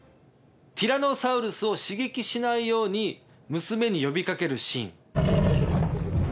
ティラノサウルスを刺激しないように娘に呼び掛けるシーン。